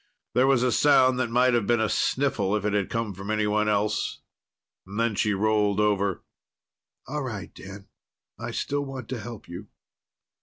There was a sound that might have been a sniffle if it had come from anyone else. Then she rolled over. "All right, Dan. I still want to help you."